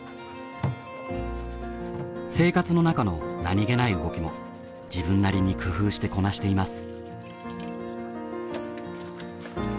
生活の中の何げない動きも自分なりに工夫してこなしています。